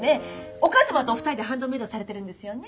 お母さまとお二人でハンドメイドされてるんですよね？